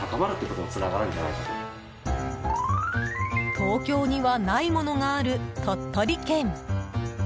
東京にはないものがある鳥取県。